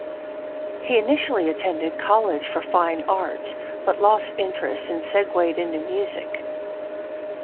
He initially attended college for fine arts, but lost interest and segued into music.